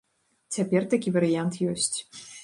Цяпер такі варыянт ёсць.